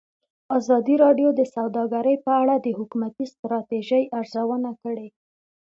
ازادي راډیو د سوداګري په اړه د حکومتي ستراتیژۍ ارزونه کړې.